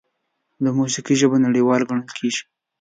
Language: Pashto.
د موسیقۍ ژبه نړیواله ګڼل کېږي.